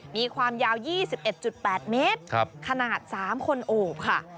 มีความยาว๒๑๘เมตรขนาด๓คนโอบค่ะ